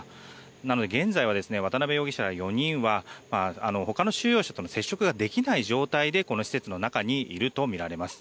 なので現在は渡邉容疑者ら４人は他の収容者との接触ができない状態でこの施設の中にいるとみられます。